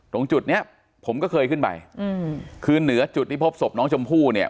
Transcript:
ตรงจุดเนี้ยผมก็เคยขึ้นไปอืมคือเหนือจุดที่พบศพน้องชมพู่เนี่ย